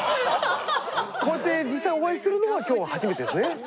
こうやって実際お会いするのは今日が初めてですね。